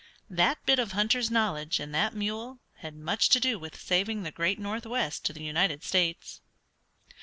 That bit of hunter's knowledge and that mule had much to do with saving the great northwest to the United States.